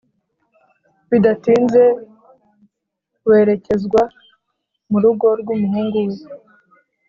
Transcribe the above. bidatinze werekezwa murugo rw’umuhungu we